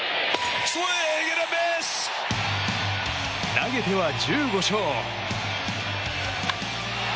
投げては１５勝。